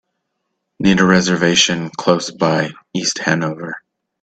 Need a reservation close-by East Hanover.